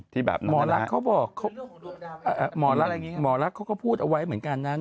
ที่แบบนั้นนะครับหมอรักษ์เขาบอกหมอรักษ์เขาพูดเอาไว้เหมือนกันนะ